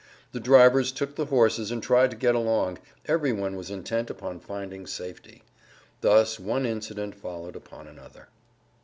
The drivers took the horses and tried to get along; every one was intent upon finding safety. Thus one incident followed upon another.